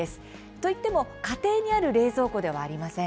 といっても家庭にある冷蔵庫ではありません。